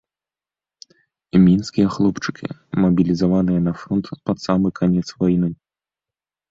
Мінскія хлопчыкі, мабілізаваныя на фронт пад самы канец вайны!